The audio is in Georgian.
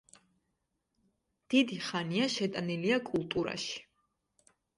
დიდი ხანია შეტანილია კულტურაში.